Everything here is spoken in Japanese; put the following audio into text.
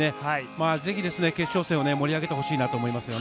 ぜひ決勝戦を盛り上げてほしいなと思います。